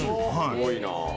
すごいなあ。